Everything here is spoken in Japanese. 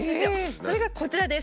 それがこちらです。